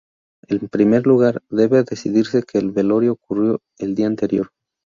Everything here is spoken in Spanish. En primer lugar, debe decirse que el velorio ocurrió el día anterior.